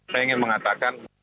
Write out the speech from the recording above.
saya ingin mengatakan